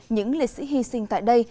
những lịch sĩ hy sinh tại đây